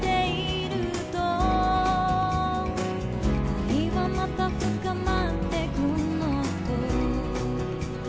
「愛はまた深まってくの』と」